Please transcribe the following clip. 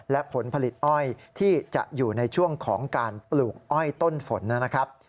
และผลผลิตอ้อยที่จะอยู่ในช่วงของการปลูกอ้อยต้นฝนนะครับ